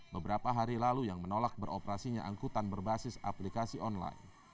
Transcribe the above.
beberapa hari lalu yang menolak beroperasinya angkutan berbasis aplikasi online